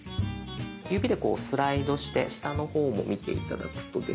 指でスライドして下の方も見て頂くとですね